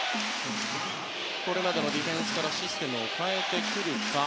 これまでのディフェンスからシステムを変えてくるか。